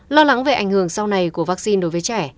lo lắng về ảnh hưởng sau này của vaccine đối với trẻ